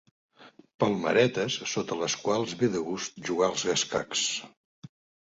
Palmeretes sota les quals ve de gust jugar als escacs.